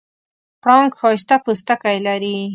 پړانګ ښایسته پوستکی لري.